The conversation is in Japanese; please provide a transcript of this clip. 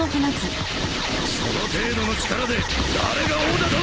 その程度の力で誰が王だと！？